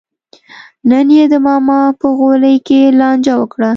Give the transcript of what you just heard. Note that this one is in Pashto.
نن یې د ماما په غولي کې لانجه وکړه.